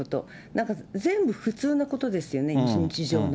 なんか全部普通のことですよね、日常の。